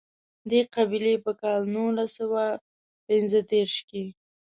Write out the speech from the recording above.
دې قبیلې په کال نولس سوه پېنځه دېرش کې.